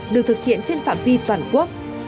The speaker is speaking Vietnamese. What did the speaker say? được thực hiện trên phạm vi toàn quốc